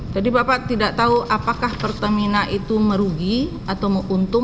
jadi bapak tidak tahu apakah pertamina itu merugi atau menguntung